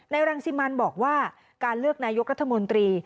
รังสิมันบอกว่าการเลือกนายกรัฐมนตรี